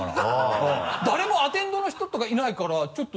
誰もアテンドの人とかいないからちょっと。